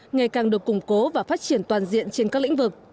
ngày càng được củng cố và phát triển toàn diện trên các lĩnh vực